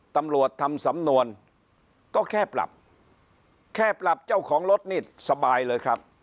ตำรวจทำสำนวนก็แค่ปรับแค่ปรับเจ้าของรถนี่สบายเลยครับ